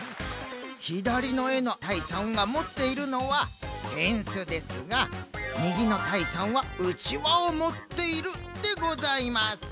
ひだりのえのたいさんがもっているのはせんすですがみぎのたいさんはうちわをもっているでございます。